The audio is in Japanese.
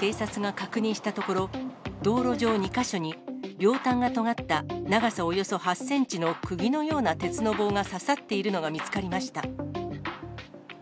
警察が確認したところ、道路上２か所に、両端がとがった長さおよそ８センチのくぎのような鉄の棒が刺さっているのが見つかりました。